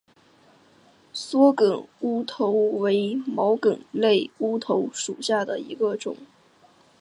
缩梗乌头为毛茛科乌头属下的一个种。